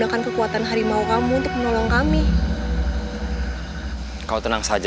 ini bukan kutukan